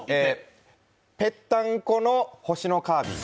ぺったんこの星のカービィ？